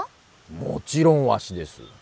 もちろんわしです。